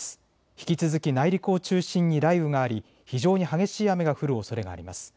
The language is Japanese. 引き続き内陸を中心に雷雨があり非常に激しい雨が降るおそれがあります。